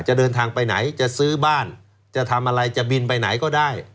จะเดินทางไปไหนจะซื้อบ้านจะทำอะไรจะบินไปไหนก็ได้